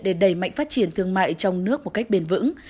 để đẩy mạnh phát triển thương mại trong nước một cách bền vững